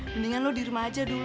mendingan lo di rumah aja dulu